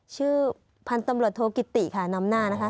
ชื่อพันธุ์ตำรวจโทกิติค่ะนำหน้านะคะ